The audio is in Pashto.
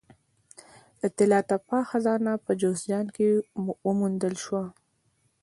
د طلا تپه خزانه په جوزجان کې وموندل شوه